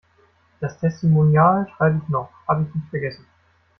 Das Testimonial schreib' ich noch, hab' ich nicht vergessen.